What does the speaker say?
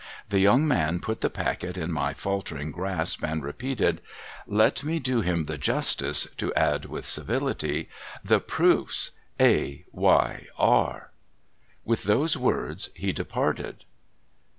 The young man put the packet in my faltering grasp, and repeated, — let me do him the justice to add, with civility : 'Tmc Proofs. A. Y. R.' A\'ith those words he departed.